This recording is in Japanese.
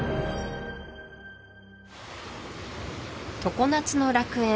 常夏の楽園